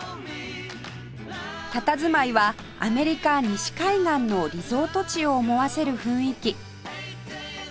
たたずまいはアメリカ西海岸のリゾート地を思わせる雰囲気